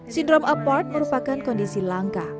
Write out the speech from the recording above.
sindrom apart merupakan kondisi langka